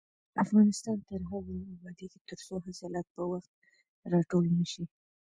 افغانستان تر هغو نه ابادیږي، ترڅو حاصلات په وخت راټول نشي.